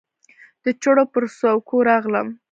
د چړو پر څوکو راغلم